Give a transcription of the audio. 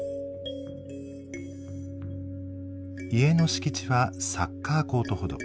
家の敷地はサッカーコートほど。